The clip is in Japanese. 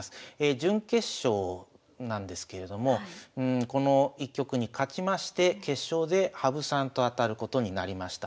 準決勝なんですけれどもこの一局に勝ちまして決勝で羽生さんとあたることになりました。